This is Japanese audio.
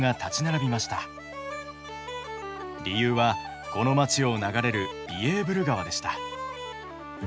理由はこの街を流れるビエーブル川でした。